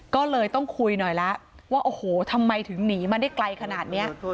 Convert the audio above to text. ก็เลยต้องคุยหน่อยแล้วว่าโอ้โหทำไมถึงหนีมาได้ไกลขนาดนี้